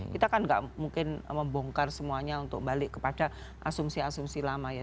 kita kan nggak mungkin membongkar semuanya untuk balik kepada asumsi asumsi lama ya